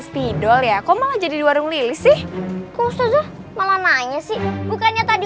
spidol ya kok malah jadi warung lili sih kok susah malah nanya sih bukannya tadi